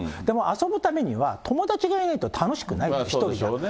でも遊ぶためには、友達がいないと楽しくないと、１人じゃ。